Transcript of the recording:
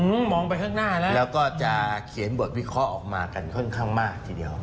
มองไปข้างหน้าแล้วแล้วก็จะเขียนบทวิเคราะห์ออกมากันค่อนข้างมากทีเดียว